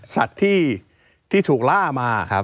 สัตว์ที่ถูกล่ามา